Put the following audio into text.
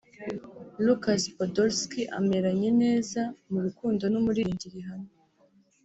Lukas Podolski ameranye neza mu rukundo n’umuririmbyi Rihanna